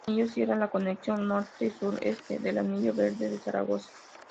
Este anillo cierra la conexión norte-sur al Oeste del Anillo Verde de Zaragoza.